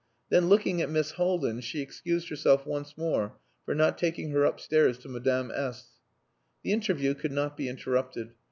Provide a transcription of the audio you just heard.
Then looking at Miss Haldin she excused herself once more for not taking her upstairs to Madame S The interview could not be interrupted.